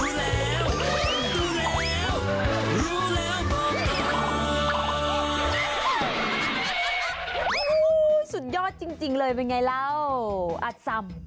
สุดยอดจริงเลยเป็นอย่างไรแล้วอัศวรรษ